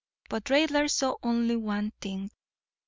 But Raidler saw only one thing.